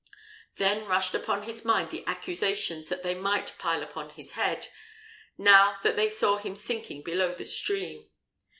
Then rushed upon his mind the accusations that they might pile upon his head, now that they saw him sinking below the stream.